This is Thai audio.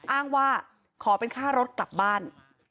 อ้างว่าขอเป็นค่ารถกลับบ้าน